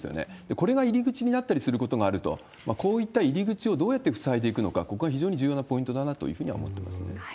これが入り口になったりすることがあると、こういった入り口をどうやって塞いでいくのか、ここが非常に重要なポイントだなというふうには思ってますね。